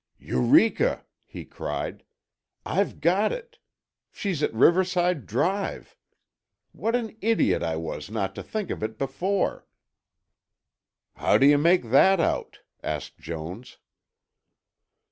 "Eureka!" he cried. "I've got it. She's at Riverside Drive. What an idiot I was not to think of it before." "How do you make that out?" asked Jones.